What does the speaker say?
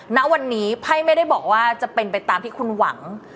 ณวันนี้ไพ่ไม่ได้บอกว่าจะเป็นไปตามที่คุณหวัง